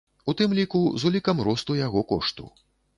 У тым ліку з улікам росту яго кошту.